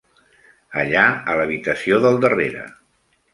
Allà a l'habitació del darrere.